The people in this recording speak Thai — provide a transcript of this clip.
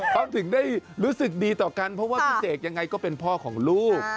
เขาถึงได้รู้สึกดีต่อกันเพราะว่าพี่เสกยังไงก็เป็นพ่อของลูก